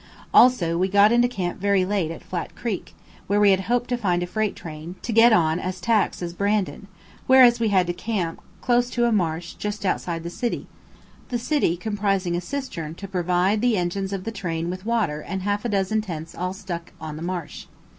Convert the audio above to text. Also we got into camp very late at Flat Creek, where we had hoped to find a freight train, to get on as tax as Brandon, whereas we had to camp close to a marsh just outside the city the "city" comprising a cistern to provide the engines of the train with water and half a dozen tents all stuck on the marsh.